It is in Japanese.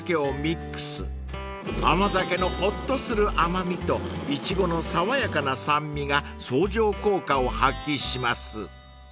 ［甘酒のホッとする甘みとイチゴの爽やかな酸味が相乗効果を発揮します］